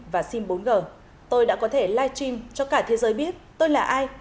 và sim bốn g tôi đã có thể livestream cho cả thế giới biết tôi là ai